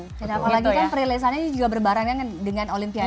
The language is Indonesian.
dan apalagi kan perilisannya juga berbarang kan dengan olimpiade